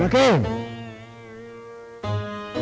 gak selalu dadaow